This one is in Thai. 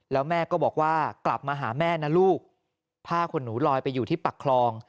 แล้วแม่ก็บอกว่ากลับมาหาแม่นะลูกผ้าขนหนูลอยไปอยู่ที่ปักคลอง